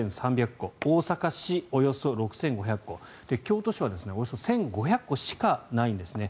大阪市、およそ６５００戸京都市はおよそ１５００戸しかないんですね。